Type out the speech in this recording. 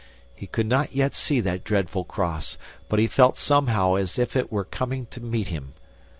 He could not yet see that dreadful cross, but he felt somehow as if it were coming to meet him.